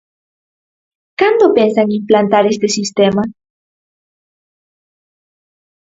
¿Cando pensan implantar este sistema?